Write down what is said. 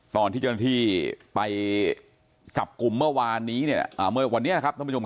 ตอนที่เจ้าหน้าที่ไปจับกลุ่มเมื่อวานนี้เนี่ย